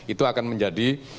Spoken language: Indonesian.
itu akan menjadi